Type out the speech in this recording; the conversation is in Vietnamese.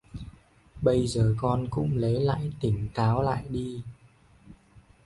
Bây giờ con cũng lấy tỉnh táo lại đi